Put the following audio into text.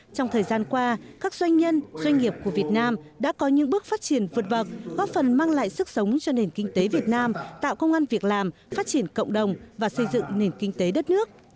trong thời gian qua các doanh nhân doanh nghiệp của việt nam đã có những bước phát triển vượt bậc góp phần mang lại sức sống cho nền kinh tế việt nam tạo công an việc làm phát triển cộng đồng và xây dựng nền kinh tế đất nước